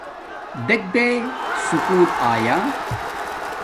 دیکھے بے سکُول آیا